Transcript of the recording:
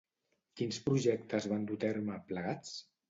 Quins projectes van dur a terme, plegats?